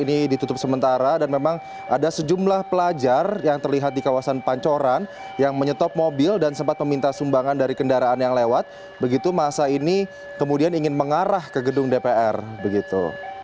ini ditutup sementara dan memang ada sejumlah pelajar yang terlihat di kawasan pancoran yang menyetop mobil dan sempat meminta sumbangan dari kendaraan yang lewat begitu masa ini kemudian ingin mengarah ke gedung dpr begitu